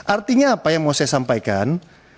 artinya apa yang mau saya sampaikan